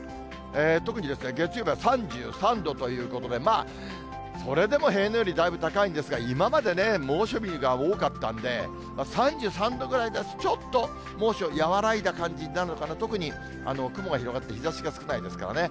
特にですね、月曜日は３３度ということで、まあ、それでも平年よりだいぶ高いんですが、今までね、猛暑日が多かったんで、３３度ぐらいですと、ちょっと猛暑和らいだ感じになるのかな、特に雲が広がって、日ざしが少ないですからね。